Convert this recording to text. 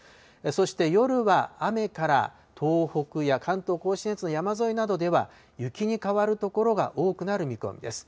そして夜は、雨から、東北や関東甲信越の山沿いなどでは、雪に変わる所が多くなる見込みです。